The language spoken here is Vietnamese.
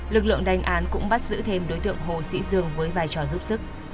lực lượng đánh án cũng bắt giữ thêm đối tượng hồ sĩ dương với vai trò giúp sức